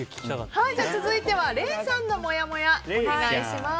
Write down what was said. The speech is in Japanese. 続いては礼さんのもやもやお願いします。